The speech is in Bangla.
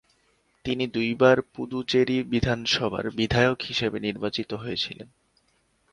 তিনি দুইবার পুদুচেরি বিধানসভার বিধায়ক হিসেবে নির্বাচিত হয়েছিলেন।